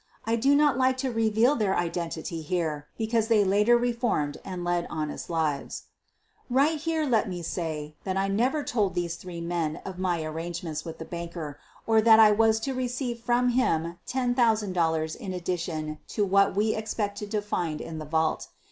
I do not like to reveal their identity here because they later re formed and led honest lives. Right here let me say that I never told these three men of my arrangements with the banker or that I was to receive from him $10,000 in addition to what wo expected to find in the vault.